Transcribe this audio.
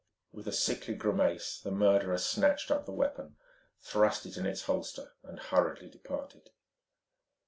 With a sickly grimace the murderer snatched up the weapon, thrust it in its holster, and hurriedly departed.